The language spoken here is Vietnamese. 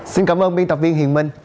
xin cảm ơn biên tập viên hiền minh